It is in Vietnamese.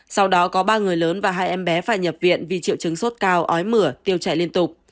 sau đó có ba người lớn và hai em bé phải nhập viện vì triệu chứng sốt cao ói mửa tiêu chảy liên tục